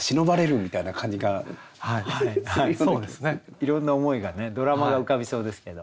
いろんな思いがねドラマが浮かびそうですけど。